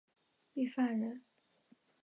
郦范人。